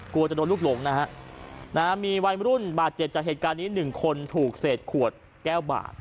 กลัวจะโดนลูกหลงนะฮะมีวัยรุ่นบาดเจ็บจากเหตุการณ์นี้หนึ่งคนถูกเศษขวดแก้วบาด